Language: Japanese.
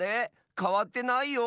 かわってないよ？